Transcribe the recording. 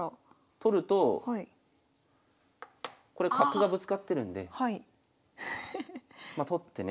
取るとこれ角がぶつかってるんで取ってね